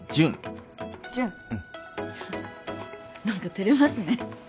何か照れますね